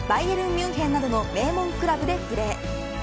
ミュンヘンなどの名門クラブでプレー。